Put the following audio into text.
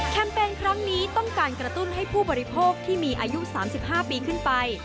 เปญครั้งนี้ต้องการกระตุ้นให้ผู้บริโภคที่มีอายุ๓๕ปีขึ้นไป